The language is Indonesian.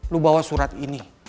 lo bawa surat ini